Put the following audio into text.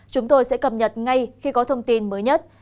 chúng tôi sẽ cập nhật ngay khi có thông tin mới nhất